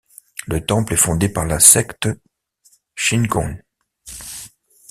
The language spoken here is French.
Le temple est fondé par la secte Shingon.